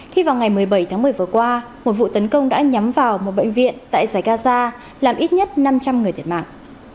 khi vào ngày một mươi bảy tháng một mươi vừa qua một vụ tấn công đã nhắm vào một bệnh viện tại giải gaza làm ít nhất năm trăm linh người thiệt mạng